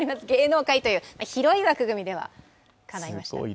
芸能界という広い枠組みではかないました。